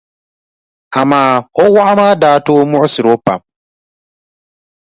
Amaa o wɔɣu maa daa tooi muɣisiri o pam.